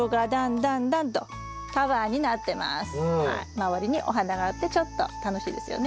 周りにお花があってちょっと楽しいですよね。